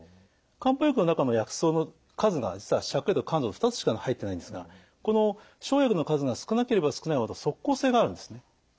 漢方薬の中の薬草の数が芍薬と甘草の２つしか入ってないんですがこの生薬の数が少なければ少ないほど即効性があるんですね。